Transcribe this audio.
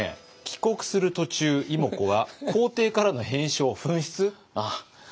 「帰国する途中妹子は皇帝からの返書を紛失？」。